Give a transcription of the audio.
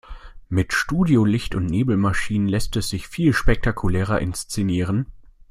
Mit Studiolicht und Nebelmaschinen lässt es sich viel spektakulärer inszenieren.